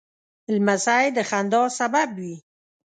لمسی د خندا سبب وي.